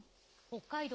北海道